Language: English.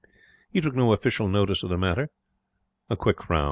He took no official notice of the matter. A quick frown.